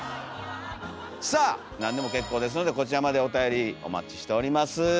さあなんでも結構ですのでこちらまでおたよりお待ちしております。